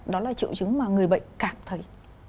đó là triệu chứng mà người bệnh cảm thấy